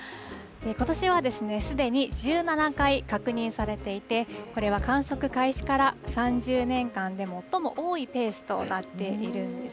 ことしはすでに１７回確認されていて、これは観測開始から３０年間で最も多いペースとなっているんです